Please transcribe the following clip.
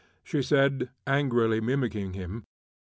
she said, angrily mimicking him.